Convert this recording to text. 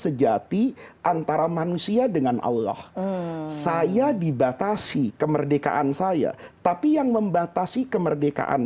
sejati antara manusia dengan allah saya dibatasi kemerdekaan saya tapi yang membatasi kemerdekaan